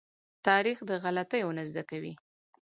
تاریخ د غلطيو نه زده کوي.